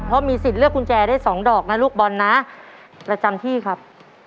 เพราะมีสิทธิ์เลือกกุญแจได้สองดอกนะลูกบอลนะประจำที่ครับ